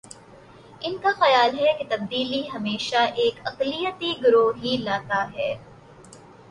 ان کا خیال ہے کہ تبدیلی ہمیشہ ایک اقلیتی گروہ ہی لاتا ہے۔